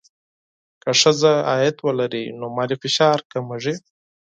که ښځه عاید ولري، نو مالي فشار کمېږي.